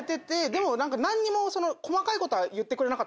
でも何にも細かいことは言ってくれなかったです。